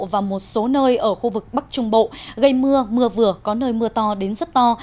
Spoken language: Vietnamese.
và một số nơi ở khu vực bắc trung bộ gây mưa mưa vừa có nơi mưa to đến rất to